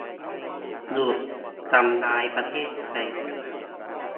หยุด ทำร้ายประเทศไทย